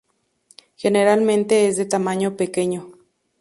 Generalmente es de tamaño pequeño.